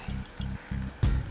jerang saja makas